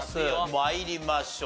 参りましょう。